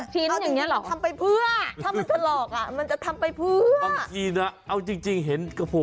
จะหลอกมนุษย์เพื่ออะไรเพื่อกระดูกหนึ่งชิ้นอย่างนี้เหรอ